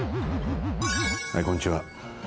はいこんにちは。